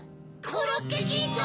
コロッケキッド！